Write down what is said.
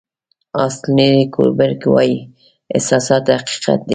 استنلي کوبریک وایي احساسات حقیقت دی.